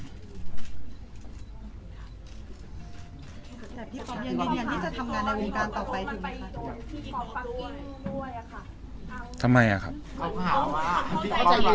แต่ที่ผมยังยังยังที่จะทำงานในวงการ